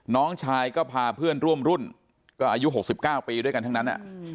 น้องชายก็พาเพื่อนร่วมรุ่นก็อายุ๖๙ปีด้วยกันทั้งนั้น